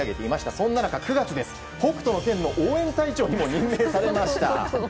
そんな中、９月です「北斗の拳」の応援隊長にも任命されました。